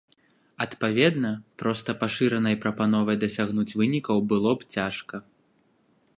Адпаведна, проста пашыранай прапановай дасягнуць вынікаў было б цяжка.